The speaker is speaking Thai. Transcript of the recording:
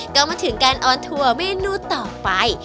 ก็มาถึงการออนทัวร์เมนูต่อไป